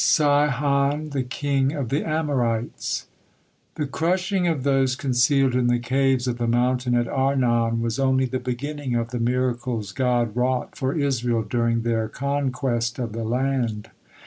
SIHON, THE KING OF THE AMORITES The crushing of those concealed in the caves of the mountain at Arnon was only the beginning of the miracles God wrought for Israel during their conquest of the land.